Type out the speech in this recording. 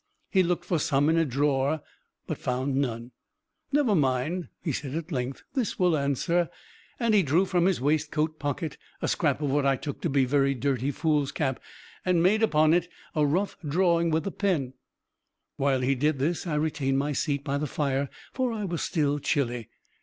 He looked for some in a drawer, but found none. "Never mind," he said at length, "this will answer;" and he drew from his waistcoat pocket a scrap of what I took to be very dirty foolscap, and made upon it a rough drawing with the pen. While he did this, I retained my seat by the fire, for I was still chilly.